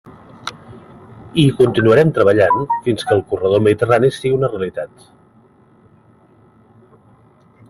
I hi continuarem treballant fins que el corredor mediterrani sigui una realitat.